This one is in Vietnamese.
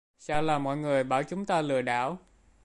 sợ là mọi người bảo chúng ta lừa đảo